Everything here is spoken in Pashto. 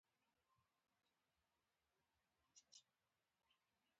د مسکینانو لاسنیوی د انسانیت ستر خدمت دی.